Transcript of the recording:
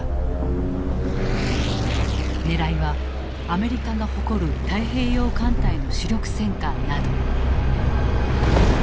狙いはアメリカが誇る太平洋艦隊の主力戦艦など。